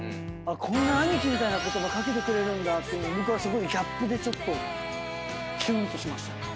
こんな兄貴みたいな言葉掛けてくれるんだっていうの僕はすごいギャップでキュンとしましたね。